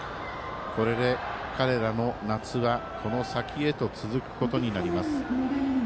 これで、彼らの夏はこの先へと続くことになります。